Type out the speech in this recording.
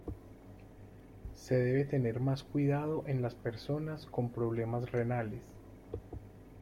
Se debe tener más cuidado en las personas con problemas renales.